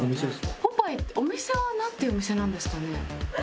ポパイお店はなんていうお店なんですかね？